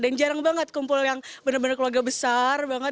dan jarang banget kumpul yang benar benar keluarga besar banget